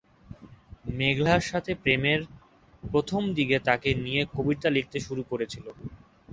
মেঘলার সাথে প্রেমের প্রথম দিকে তাকে নিয়ে কবিতা লিখতে শুরু করেছিল।